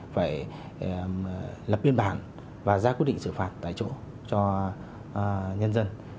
phải lập biên bản và ra quyết định xử phạt tại chỗ cho nhân dân